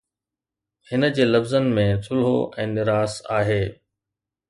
هن جي لفظن ۾ ٿلهو ۽ نراس آهي.